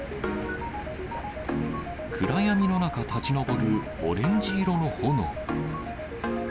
暗闇の中、立ち上るオレンジ色の炎。